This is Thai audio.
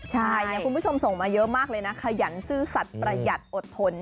ใช่คุณผู้ชมส่งมาเยอะมากเลยนะขยันซื่อสัตว์ประหยัดอดทน